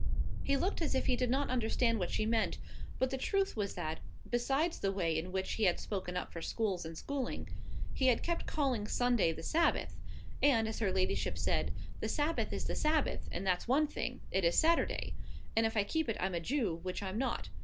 He looked as if he did not understand what she meant; but the truth was that, besides the way in which he had spoken up for schools and schooling, he had kept calling Sunday the Sabbath: and, as her ladyship said, "The Sabbath is the Sabbath, and that's one thing—it is Saturday; and if I keep it, I'm a Jew, which I'm not.